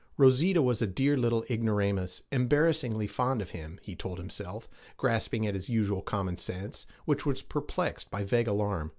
Rosita was a dear little ignoramus, embarrassingly fond of him, he told himself, grasping at his usual common sense, which was perplexed by vague alarm.